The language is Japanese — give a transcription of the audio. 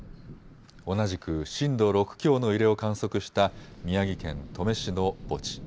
同じく震度６強の揺れを観測した宮城県登米市の墓地。